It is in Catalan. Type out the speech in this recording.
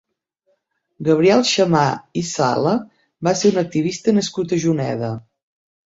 Gabriel Xammar i Sala va ser un activista nascut a Juneda.